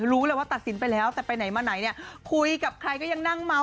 รู้เลยว่าตัดสินไปแล้วแต่ไปไหนมาไหนเนี่ยคุยกับใครก็ยังนั่งเมา